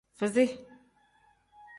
Fizi.